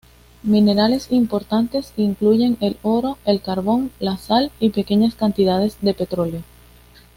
Minerales importantes incluyen el oro, el carbón, la sal y pequeñas cantidades de petróleo.